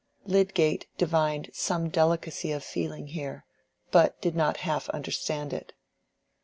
Lydgate divined some delicacy of feeling here, but did not half understand it.